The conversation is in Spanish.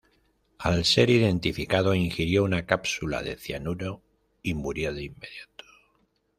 Al ser identificado ingirió una cápsula de cianuro y murió de inmediato.